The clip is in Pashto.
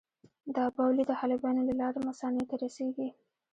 دا بولې د حالبینو له لارې مثانې ته رسېږي.